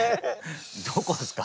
どこですか？